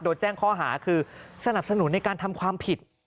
โดนแจ้งข้อหาคือสนับสนุนในการทำความผิด